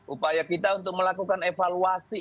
upaya kita untuk melakukan evaluasi